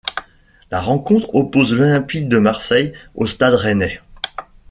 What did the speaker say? La rencontre oppose l'Olympique de Marseille au Stade rennais.